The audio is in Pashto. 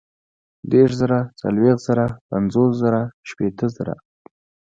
دېرش زره ، څلوېښت زره ، پنځوس زره ، شپېته زره